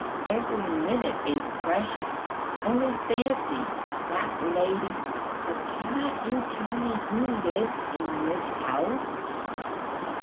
Every minute is precious.... Only fancy, that lady ... but cannot you tell me who lives in this house?"